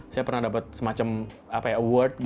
saya pernah dapat semacam award